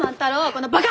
このバカ！